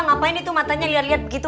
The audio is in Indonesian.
ngapain itu matanya liat liat begitu